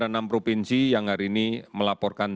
ada enam provinsi yang hari ini melaporkan